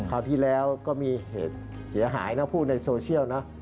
คราวที่แล้วก็มีเหตุเสียหายนะพูดในโซเชียลนะ